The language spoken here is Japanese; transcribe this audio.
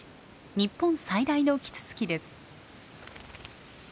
日本最大のキツツキです。